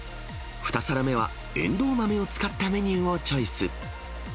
２皿目はエンドウ豆を使ったメニューをチョイス。